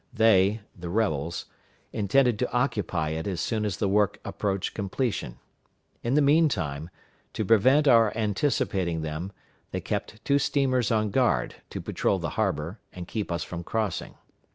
They (the rebels) intended to occupy it as soon as the work approached completion. In the mean time, to prevent our anticipating them, they kept two steamers on guard, to patrol the harbor, and keep us from crossing.